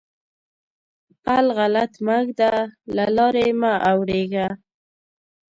پل غلط مه ږده؛ له لارې مه اوړېږه.